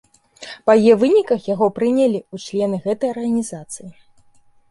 Па яе выніках яго прынялі ў члены гэтай арганізацыі.